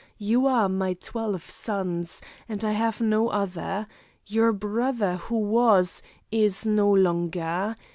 You are my twelve sons, and I have no other. Your brother who was, is no longer.